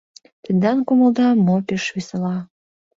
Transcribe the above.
Тендан кумылда мо пеш весела